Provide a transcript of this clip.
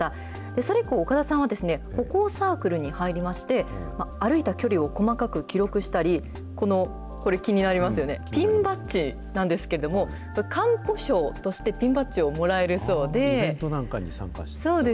それ以降、岡田さんは、歩行サークルに入りまして、歩いた距離を細かく記録したり、これ気になりますよね、ピンバッジなんですけれども、完歩証としてピンバッジをもらえるそうで。